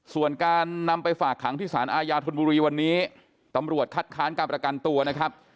ส่วนการนำไปฝากขังที่สารอาญาธนบุรีวันนี้ตำรวจคัดค้านการประกันตัวนะครับ